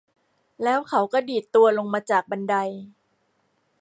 แล้วเขาก็ดีดตัวลงมาจากบันได